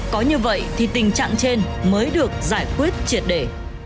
có như vậy thì tình trạng trên mới được giải quyết triệt để